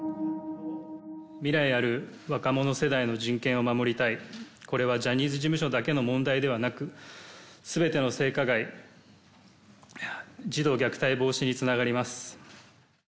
未来ある若者世代の人権を守りたい、これはジャニーズ事務所だけの問題ではなく、すべての性加害、児童虐待防止につながります。